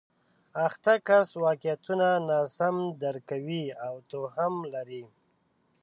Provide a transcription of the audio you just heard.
اخته کس واقعیتونه ناسم درک کوي او توهم لري